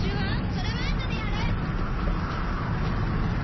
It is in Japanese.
それもあとでやる！